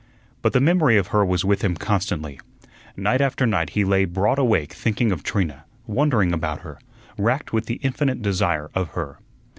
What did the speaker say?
But the memory of her was with him constantly. Night after night he lay broad awake thinking of Trina, wondering about her, racked with the infinite desire of her.